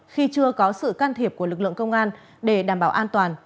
khi chưa có sự can thiệp của lực lượng công an để đảm bảo an toàn